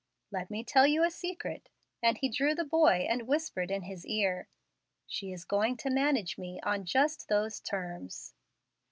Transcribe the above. "Let me tell you a secret," and he drew the boy and whispered in his ear, "she is going to manage me on just those terms."